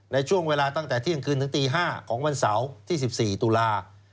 ในช่วงเวลาตั้งแต่เที่ยงคืนถึงตี๕ของวันเสาร์ที่๑๔ตุลา